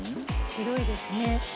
白いですね。